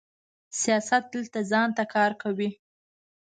سیاست دلته ځان ته کار کوي.